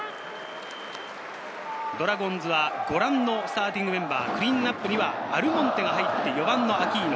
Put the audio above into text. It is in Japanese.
ドラゴンズはご覧のスターティングメンバー、クリーンナップにはアルモンテが入って、４番はアキーノ。